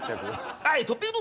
はい！